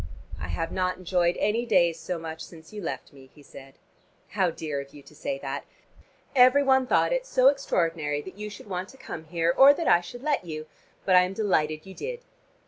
"I have not enjoyed any days so much since you left me," he said. "How dear of you to say that! Every one thought it so extraordinary that you should want to come here or that I should let you, but I am delighted you did."